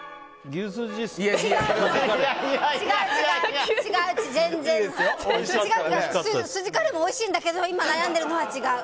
牛すじカレーもおいしいんだけど今悩んでるのは違う。